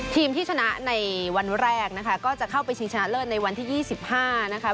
ทีมที่ชนะในวันแรกนะคะก็จะเข้าไปชิงชนะเลิศในวันที่๒๕นะคะ